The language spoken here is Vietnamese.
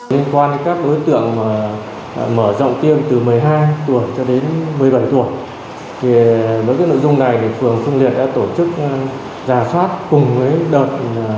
nên quan các đối tượng mở rộng tiêm từ một mươi hai tuổi cho đến một mươi bảy tuổi thì với cái nội dung này thì phường phương liệt đã tổ chức giả soát cùng với đợt